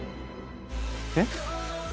えっ？